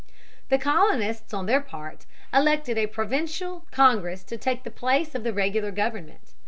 The colonists, on their part, elected a Provincial Congress to take the place of the regular government.